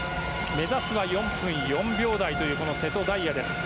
目指すは４分４秒台という瀬戸大也。